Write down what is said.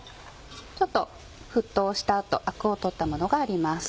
ちょっと沸騰した後アクを取ったものがあります。